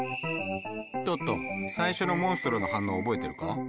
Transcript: トット最初のモンストロの反応を覚えてるか？